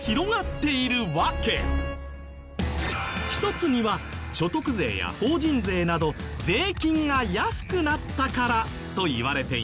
一つには所得税や法人税など税金が安くなったからといわれています。